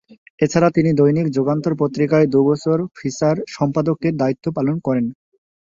এছাড়া তিনি দৈনিক যুগান্তর পত্রিকায় দু’বছর ফিচার সম্পাদকের দায়িত্ব পালন করেন।